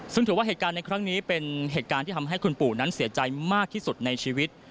ซึ่งถือว่าเหตุการณ์ในครั้งนี้เป็นเหตุการณ์ที่ทำให้คุณปู่นั้นเสียใจมากที่สุดในชีวิต